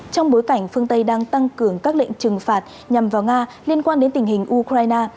trong bối cảnh phương tây đang tăng cường các lệnh trừng phạt nhằm vào nga liên quan đến tình hình ukraine